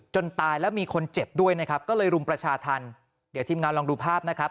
ตายแล้วมีคนเจ็บด้วยนะครับก็เลยรุมประชาธรรมเดี๋ยวทีมงานลองดูภาพนะครับ